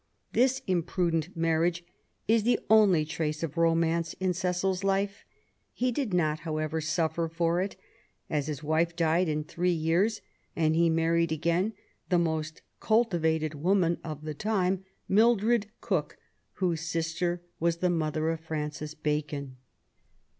This imprudent marriage is the only trace of romance in Cecil's life. He did not, however, suffer for it, as his wife died in three years, and he married again the most cultivated woman of the time, Mildred Cooke, whose sister was the mother of Francis Bacon.